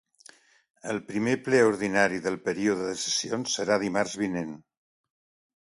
El primer ple ordinari del període de sessions serà dimarts vinent.